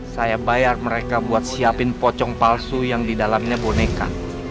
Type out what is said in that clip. saya bayar mereka buat siapin pocong palsu yang di dalamnya boneka